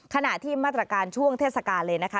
ขณะที่มาตรการช่วงเทศกาลเลยนะคะ